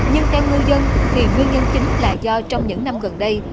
nhưng theo ngư dân thì nguyên nhân chính là do trong những năm gần đây